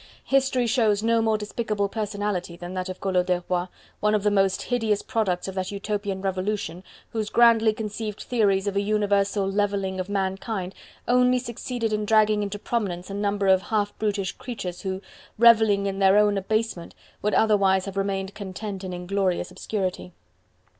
History shows no more despicable personality than that of Collot d'Herbois, one of the most hideous products of that utopian Revolution, whose grandly conceived theories of a universal levelling of mankind only succeeded in dragging into prominence a number of half brutish creatures who, revelling in their own abasement, would otherwise have remained content in inglorious obscurity.